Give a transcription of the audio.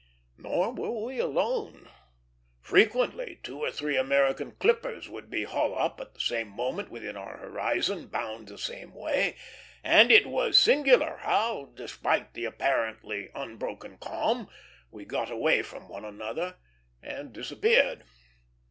Nor were we alone. Frequently two or three American clippers would be hull up at the same moment within our horizon, bound the same way; and it was singular how, despite the apparently unbroken calm, we got away from one another and disappeared.